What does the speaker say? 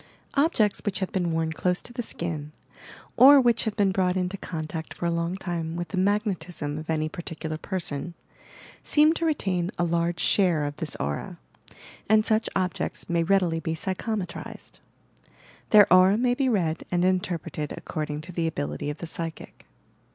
Objects which have been worn close to the skin, or which have been brought into contact for a long time with the magnetism of any particular person, seem to retain a large share of this aura, and such objects may readily be psychometrized — their aura may be read and interpreted according to the ability of the psychic.